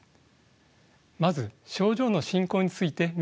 まず症状の進行について見てみましょう。